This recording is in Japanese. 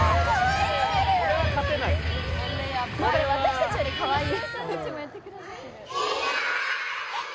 私たちよりかわいい。